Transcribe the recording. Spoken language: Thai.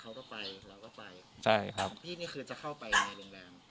เขาก็ไปเราก็ไปใช่ครับพี่นี่คือจะเข้าไปในโรงแรม